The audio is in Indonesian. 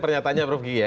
pernyataannya prof giyai